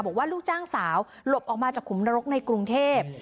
ลูกจ้างสาวหลบออกมาจากขุมนรกในกรุงเทพ